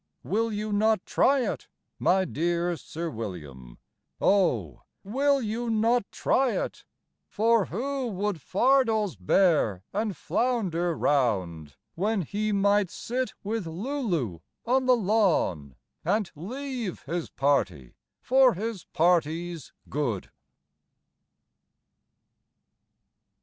Will you not try it, my dear Sir William; oh, will you not try it? For who would fardels bear and flounder round, When he might sit with Lulu on the lawn And leave his party for his party's good?